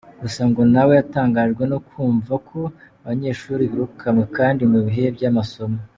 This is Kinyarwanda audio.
Gusa ngo nawe yatangajwe no kumva ko abanyeshuri birukanywe kandi mu bihe by’amasomo.